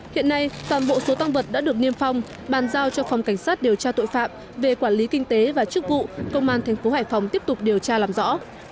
hiện nay toàn bộ số tăng vật đã được niêm phong bàn giao cho phòng cảnh sát điều tra tội phạm về quản lý kinh tế và chức vụ công an tp hải phòng tiếp tục điều tra làm rõ